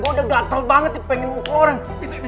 gatel banget pengen ngukul orang